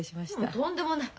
とんでもない。